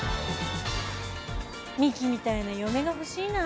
美樹みたいな嫁が欲しいな。